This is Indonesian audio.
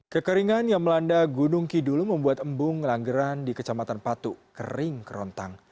kekeringan yang melanda gunung kidul membuat embung langgeran di kecamatan patu kering kerontang